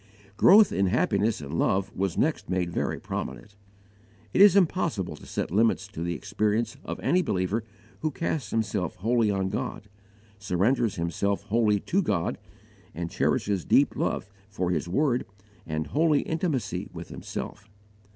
Growth in happiness and love was next made very prominent. It is impossible to set limits to the experience of any believer who casts himself wholly on God, surrenders himself wholly to God, and cherishes deep love for His word and holy intimacy with Himself.